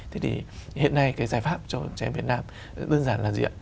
thế thì hiện nay cái giải pháp cho trẻ em việt nam rất đơn giản là gì ạ